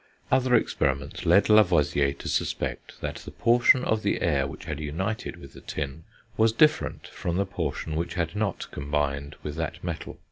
Other experiments led Lavoisier to suspect that the portion of the air which had united with the tin was different from the portion which had not combined with that metal.